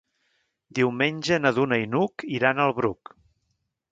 Diumenge na Duna i n'Hug iran al Bruc.